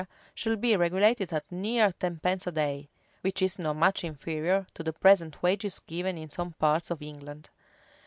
should be regulated at near tenpence a day; which is not much inferior to the present wages given in some parts of England.